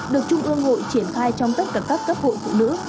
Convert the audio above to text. được trung ương hội triển khai trong tất cả các cấp hội phụ nữ